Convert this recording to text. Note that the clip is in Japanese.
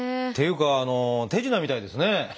っていうか手品みたいですね。